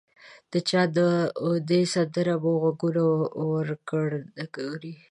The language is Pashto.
د چا داودي سندره مو غوږونه وکړنګوي.